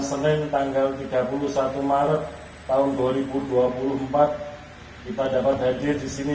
semoga belajar rendah hati sehat dan feels good